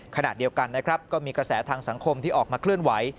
ขณะเดียวกันนะครับก็มีกระแสทางสังคมที่ออกมาเคลื่อนไหว